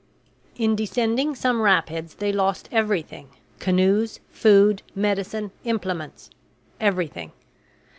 In descending some rapids they lost everything canoes, food, medicine, implements everything.